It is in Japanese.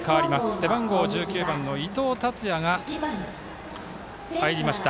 背番号１９番の伊藤達也が入りました。